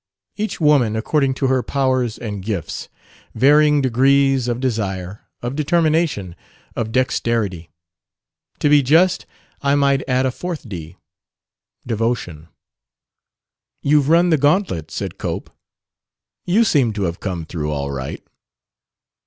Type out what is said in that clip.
"Each woman according to her powers and gifts. Varying degrees of desire, of determination, of dexterity. To be just, I might add a fourth d devotion." "You've run the gauntlet," said Cope. "You seem to have come through all right."